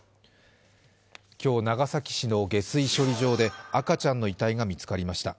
今日、長崎市の下水処理場で赤ちゃんの遺体が見つかりました。